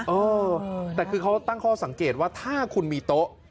เออแต่คือเขาตั้งข้อสังเกตว่าถ้าคุณมีโต๊ะ